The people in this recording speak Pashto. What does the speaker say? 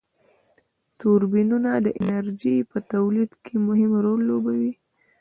توربینونه د انرژی په تولید کی مهم رول لوبوي.